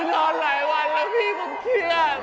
มาไม่แค่มาขึ้นเช